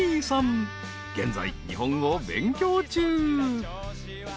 ［現在日本語を勉強中］